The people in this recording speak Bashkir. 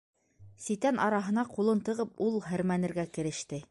Ситән араһына ҡулын тығып, ул һәрмәнергә кереште.